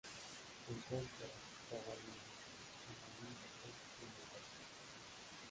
Se encuentra, probablemente, en el Índico y en el Pacífico.